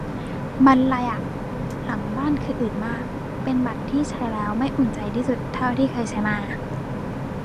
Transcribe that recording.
บรรลัยอะ หลังบ้านคืออืดมาก เป็นบัตรที่ใช้แล้วไม่อุ่นใจที่สุดเท่าที่เคยใช้มา